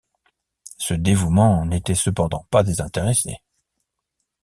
Ce dévouement n'était cependant pas désintéressé.